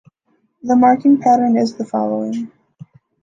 The marking pattern is the following.